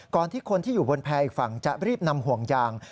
ที่คนที่อยู่บนแพร่อีกฝั่งจะรีบนำห่วงยาง